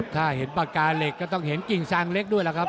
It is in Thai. ถ้าเห็นปากกาเหล็กก็ต้องเห็นกิ่งซางเล็กด้วยล่ะครับ